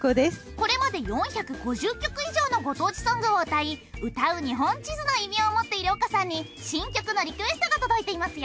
これまで４５０曲以上のご当地ソングを歌い歌う日本地図の異名を持っている岡さんに新曲のリクエストが届いていますよ。